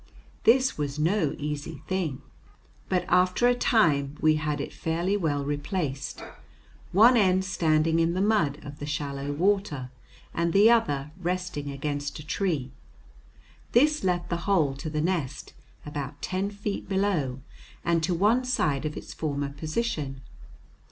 This was no easy thing. But after a time we had it fairly well replaced, one end standing in the mud of the shallow water and the other resting against a tree. This left the hole to the nest about ten feet below and to one side of its former position.